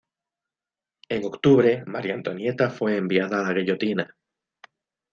En octubre, María Antonieta fue enviada a la guillotina.